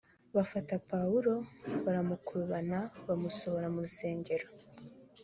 bafata pawulo baramukurubana bamusohora mu rusengero